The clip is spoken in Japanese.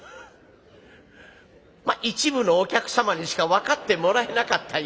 「一部のお客様にしか分かってもらえなかったようだがな。